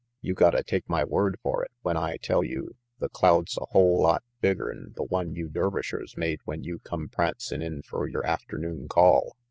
You gotta take my word for it when I tell you the cloud's a whole lot bigger 'n the one you Dervishers made when you come prancin' in fer your afternoon call.